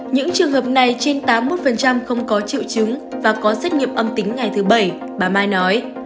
những trường hợp này trên tám mươi một không có triệu chứng và có xét nghiệm âm tính ngày thứ bảy bà mai nói